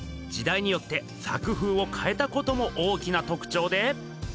時代によって作風をかえたことも大きなとくちょうで。